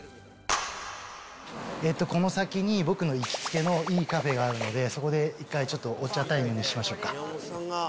この先に僕の行きつけのいいカフェがあるので、そこで一回ちょっとお茶タイムにしましょうか。